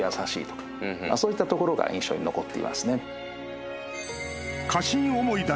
そういったところが印象に残っていますね。